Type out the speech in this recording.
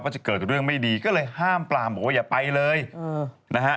จะเกิดเรื่องไม่ดีก็เลยห้ามปลามบอกว่าอย่าไปเลยนะฮะ